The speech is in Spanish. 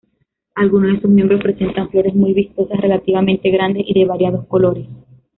Algunos de sus miembros presentan flores muy vistosas, relativamente grandes y de variados colores.